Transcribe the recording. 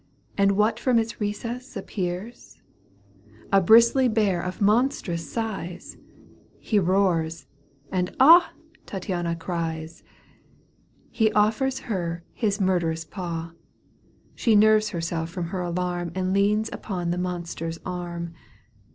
And what from its recess appears ?— A bristly bear of monstrous size ! He roars, and " Ah !" Tattiana cries. He offers her his murderous paw ; j She nerves herself from her alarm ' And leans upon the monster's arm.